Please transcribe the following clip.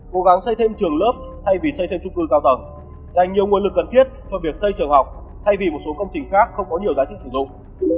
cố gắng xây thêm trường lớp thay vì xây thêm trung cư cao tầng dành nhiều nguồn lực cần thiết cho việc xây trường học thay vì một số công trình khác không có nhiều giá trị sử dụng